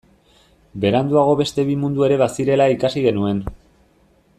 Beranduago beste bi mundu ere bazirela ikasi genuen.